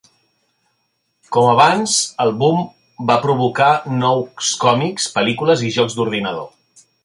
Com abans, el boom va provocar nous còmics, pel·lícules i jocs d'ordinador.